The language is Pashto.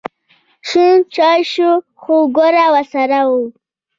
شین چای شو خو ګوړه ورسره وه.